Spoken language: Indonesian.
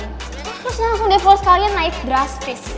terus langsung default kalian naik drastis